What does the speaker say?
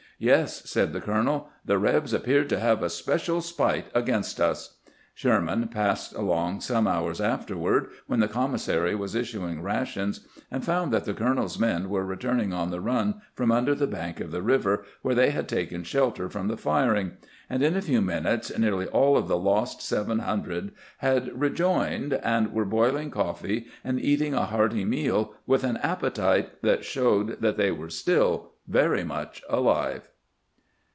'Yes,' said the colonel; 'the rebs appeared to have a special spite against us.' Sherman passed along some hours after ward, when the commissary was issuing rations, and found that the colonel's men were returning on the run from under the bank of the river, where they had taken shelter from the firing ; and in a few minutes nearly all of the lost seven hundred had rejoined, and were boiling coffee and eating a hearty meal with an appetite that showed they were still very much alive."